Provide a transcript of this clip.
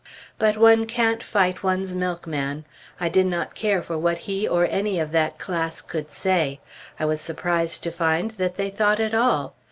But one can't fight one's milkman! I did not care for what he or any of that class could say; I was surprised to find that they thought at all!